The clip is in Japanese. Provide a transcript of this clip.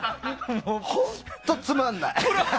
本当つまんない。